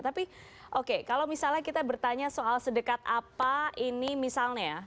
tapi oke kalau misalnya kita bertanya soal sedekat apa ini misalnya